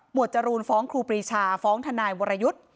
จรูนฟ้องครูปรีชาฟ้องทนายวรยุทธ์